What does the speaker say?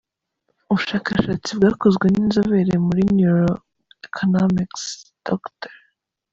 Ubushakashatsi bwakozwe n’inzobere muri Neuroeconomics, Dr.